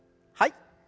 はい。